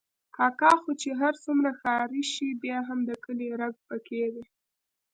کاکا خو چې هر څومره ښاري شي، بیا هم د کلي رګ پکې دی.